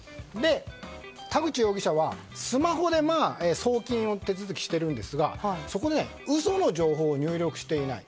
田口容疑者はスマホで送金の手続きをしているんですがそこで嘘の情報を入力していない。